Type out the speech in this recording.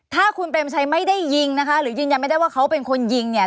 ถ้าคุณเปรมชัยไม่ได้ยิงนะคะหรือยืนยันไม่ได้ว่าเขาเป็นคนยิงเนี่ย